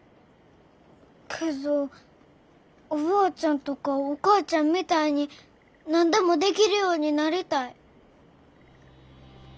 けどおばあちゃんとかお母ちゃんみたいに何でもできるようになりたい。